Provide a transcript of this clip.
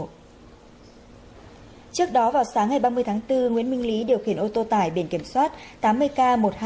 trước đó vào sáng ngày ba mươi tháng bốn nguyễn minh lý điều khiển ô tô tải biển kiểm soát tám mươi k một nghìn hai trăm một mươi ba